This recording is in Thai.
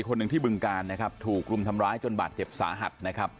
คนหนึ่งที่บึงการนะครับถูกรุมทำร้ายจนบาดเจ็บสาหัสนะครับ